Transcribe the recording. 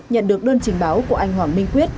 nhận được đơn trình báo của anh hoàng minh quyết